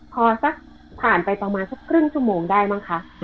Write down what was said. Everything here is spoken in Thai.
พอสักผ่านไปประมาณสักครึ่งชั่วโมงได้มั้งคะ